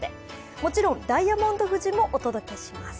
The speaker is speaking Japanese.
もちろん、ダイヤモンド富士もお届けします。